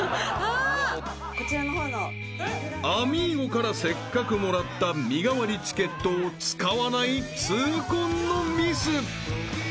［アミーゴからせっかくもらった身代わりチケットを使わない痛恨のミス！］